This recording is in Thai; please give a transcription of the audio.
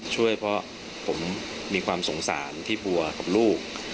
ช่วยเพราะผมมีความสงสารที่บัวกับลูก